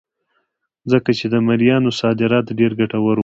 ځکه چې د مریانو صادرات ډېر ګټور وو.